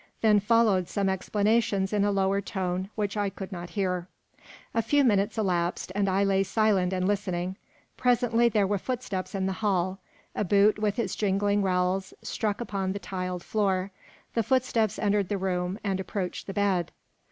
Then followed some explanations in a lower tone, which I could not hear. A few minutes elapsed, and I lay silent and listening. Presently there were footsteps in the hall. A boot, with its jingling rowels, struck upon the tiled floor. The footsteps entered the room, and approached the bed.